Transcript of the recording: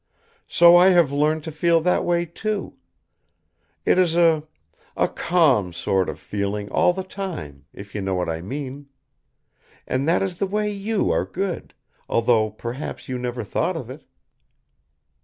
So I have learned to feel that way, too. It is a a calm sort of feeling all the time, if you know what I mean. And that is the way you are good, although perhaps you never thought of it."